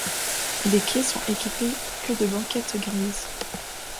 Les quais sont équipés de banquettes grises.